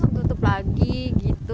terus tutup lagi gitu